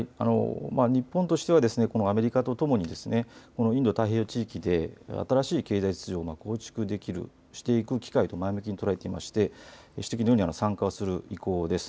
日本としてはアメリカとともにインド太平洋地域で新しい経済秩序を構築できる、していく機会と前向きに捉えていましてご指摘のように参加する意向です。